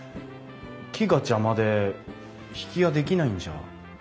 木が邪魔で曳家できないんじゃ？